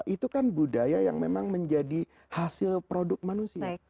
itu kan budaya yang memang menjadi hasil produk manusia